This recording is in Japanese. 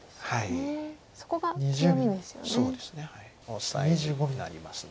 オサエになります。